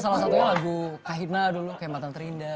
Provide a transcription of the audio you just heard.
salah satunya lagu kahina dulu kayak matang terindah